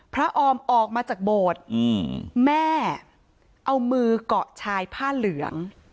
ออมออกมาจากโบสถ์แม่เอามือเกาะชายผ้าเหลือง